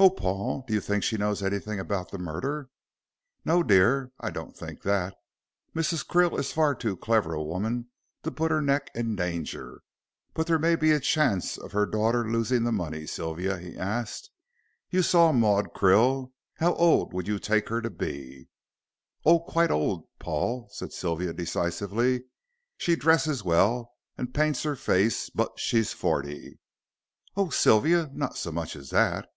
"Oh, Paul, do you think she knows anything about the murder?" "No, dear. I don't think that. Mrs. Krill is far too clever a woman to put her neck in danger. But there may be a chance of her daughter losing the money. Sylvia," he asked, "you saw Maud Krill. How old would you take her to be?" "Oh, quite old, Paul," said Sylvia, decisively; "she dresses well and paints her face; but she's forty." "Oh, Sylvia, not so much as that."